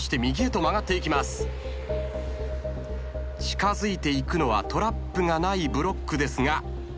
近づいていくのはトラップがないブロックですが。